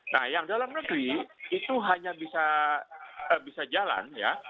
nah yang dalam negeri itu hanya bisa jalan ya